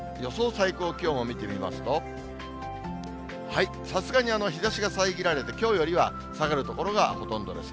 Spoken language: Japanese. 最高気温を見てみますと、さすがに日ざしが遮られて、きょうよりは下がる所がほとんどです。